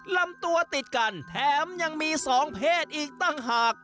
ลำตัวติดกันแถมยังมี๒เพศอีกต่างหาก